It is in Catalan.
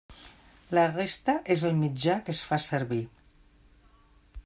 La resta és el mitjà que fa servir.